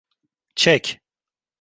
Çek.